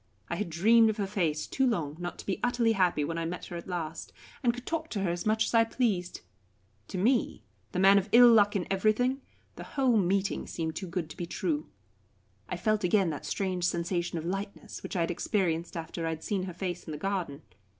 I had dreamed of her face too long not to be utterly happy when I met her at last, and could talk to her as much as I pleased. To me, the man of ill luck in everything, the whole meeting seemed too good to be true. I felt again that strange sensation of lightness which I had experienced after I had seen her face in the garden.